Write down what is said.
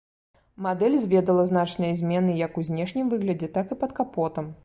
Мадэль зведала значныя змены як у знешнім выглядзе, так і пад капотам.